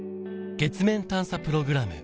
月面探査プログラム